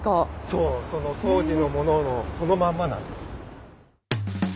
そうその当時のもののそのまんまなんです。